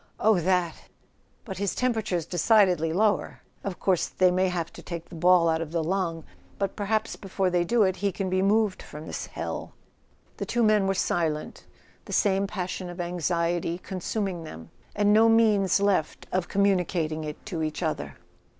" Oh, that ! But his temperature's decidedly lower. Of course they may have to take the ball out of the lung; but perhaps before they do it he can be moved from this hell." The two men were silent, the same passion of anxiety consuming them, and no means left of communicating it to each other.